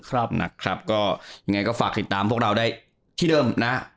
ยังไงก็ฝากติดตามพวกเราได้ที่เดิมนะ